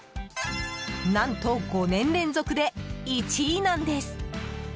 何と５年連続で１位なんです。